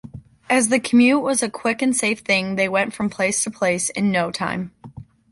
As the commute was a quick and safe thing, they went from place to place in no time.